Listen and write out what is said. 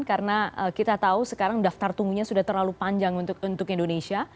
karena kita tahu sekarang daftar tunggu nya sudah terlalu panjang untuk indonesia